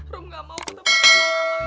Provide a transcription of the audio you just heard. rum gak mau ketemu umi lama itu lagi